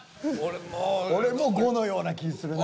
俺も５のような気するな。